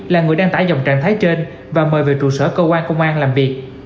là người đăng tải dòng trạng thái trên và mời về trụ sở công an công an làm việc